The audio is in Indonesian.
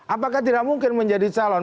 apakah tidak mungkin menjadi calon